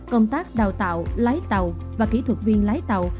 công tác đào tạo lái tàu và kỹ thuật viên lái tàu